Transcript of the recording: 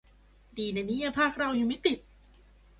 ดีนะเนี่ย ภาคเรายังไม่ติด